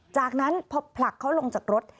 จากนั้นพอผลักเขาลงจากรถ